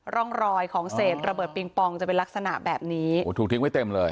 ร่องรอยของเศษระเบิดปิงปองจะเป็นลักษณะแบบนี้โอ้โหถูกทิ้งไว้เต็มเลย